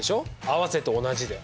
合わせて同じで。